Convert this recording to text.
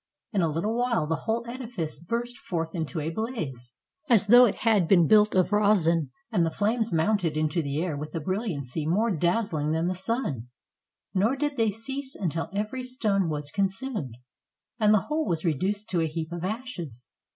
In a Uttle while the whole edifice burst forth into a blaze, as though it had been built of rosin, and the flames mounted into the air with a brilhancy more dazzling than the sun; nor did they cease until every stone was consumed, and the whole was reduced to a heap of ashes.